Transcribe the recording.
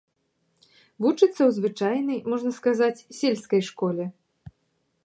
Вучыцца ў звычайнай, можна сказаць, сельскай школе.